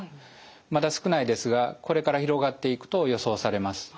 まだ少ないですがこれから広がっていくと予想されます。